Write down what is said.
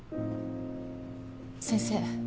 先生。